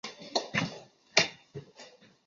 荃湾线以北端的总站设于荃湾站而命名。